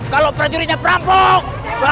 kalau prajuritnya merambok